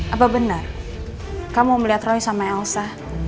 apa benar kamu melihat roy sama elsa